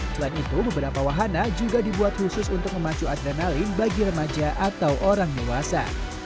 selain itu beberapa wahana juga dibuat khusus untuk memacu adrenalin bagi remaja atau orang dewasa